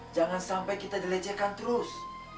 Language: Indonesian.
jangan sampai kita dilecehkan terus